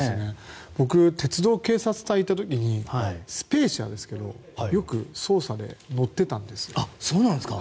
僕、鉄道警察隊いた時にスペーシアですが良く捜査で乗っていたんですよ。